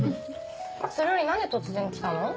それより何で突然来たの？